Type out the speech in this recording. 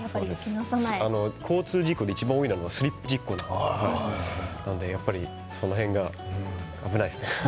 交通事故でいちばん多いのがスリップ事故なのでやっぱりその辺が危ないですね。